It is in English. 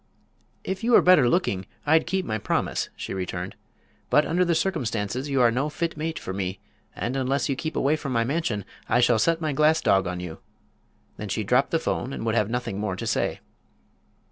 "If you were better looking I'd keep my promise," she returned. "But under the circumstances you are no fit mate for me, and unless you keep away from my mansion I shall set my glass dog on you!" Then she dropped the 'phone and would have nothing more to say.